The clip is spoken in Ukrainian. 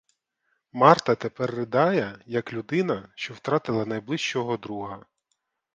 Марта тепер ридає, як людина, що втратила найближчого друга.